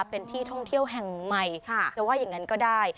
เป็นที่ท่องเที่ยวแห่งใหม่จะว่าอย่างนั้นก็ได้